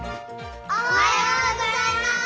おはようございます。